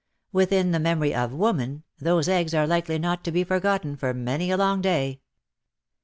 Within the memory of ivoman, those eggs are likely not to be forgotten for many a long day.